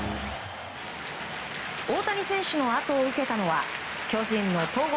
大谷選手のあとを受けたのは巨人の戸郷